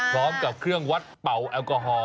พร้อมกับเครื่องวัดเป่าแอลกอฮอล